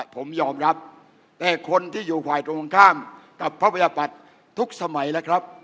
ผมยอมรับแต่คนที่อยู่ฝ่ายตรงข้ามกับพระประชาปัตย์ทุกสมัยแล้วครับ